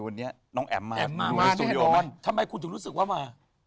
วันนี้น้องแอบมาแอบมาเหมือนมันมาเนี่ยที่สุดิวอ่ะทำไมคุณจงรู้สึกว่ามา